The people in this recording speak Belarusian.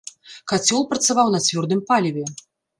Кацёл працаваў на цвёрдым паліве.